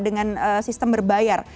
dengan sistem berbayar